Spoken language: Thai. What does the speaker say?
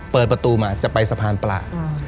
เปิดประตูมาจะไปสะพานปลา